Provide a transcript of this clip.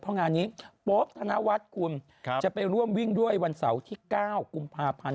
เพราะงานนี้โป๊ปธนวัฒน์คุณจะไปร่วมวิ่งด้วยวันเสาร์ที่๙กุมภาพันธ์